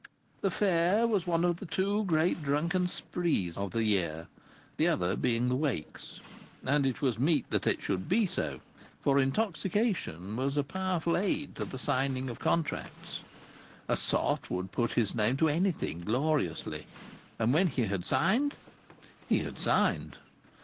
The Fair was one of the two great drunken sprees of the year, the other being the Wakes. And it was meet that it should be so, for intoxication was a powerful aid to the signing of contracts. A sot would put his name to anything, gloriously; and when he had signed he had signed.